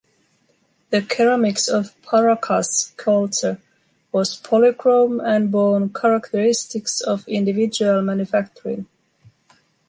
The ceramics of Paracas culture was polychrome and borne characteristics of individual manufacturing.